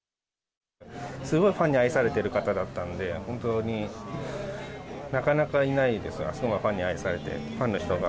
すごいファンに愛されている方だったんで、本当になかなかいないですよ、あそこまでファンに愛されて、ファンの人が。